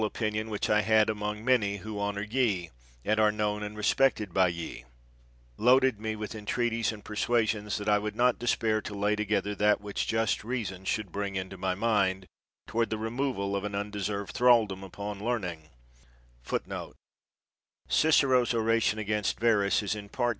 102 MILTON opinion which I had among many who honor ye, and are known and respected by ye, loaded me with entreaties and persuasion, that I would not despair to lay together that which just rea son should bring into my mind, toward the re moval of an undeserved thraldom upon learn ing.